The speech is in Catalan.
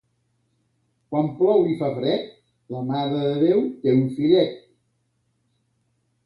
Quan plou i fa fred, la Mare de Déu té un fillet.